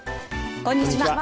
こんにちは。